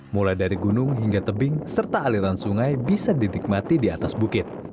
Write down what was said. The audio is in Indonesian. mulai dari gunung hingga tebing serta aliran sungai bisa dinikmati di atas bukit